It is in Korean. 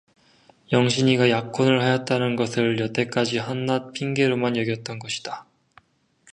영신이가 약혼을 하였다는 것을 여태까지 한낱 핑계로만 여겼던 것이다.